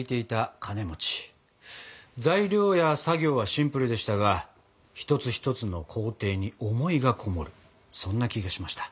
材料や作業はシンプルでしたが一つ一つの工程に思いがこもるそんな気がしました。